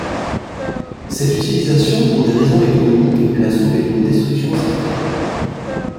Cette utilisation pour des raisons économiques l'a sauvé d'une destruction certaine.